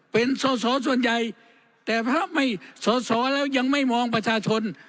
เป็นสอสอส่วนใหญ่แต่พระไม่สอสอแล้วยังไม่มองประชาชน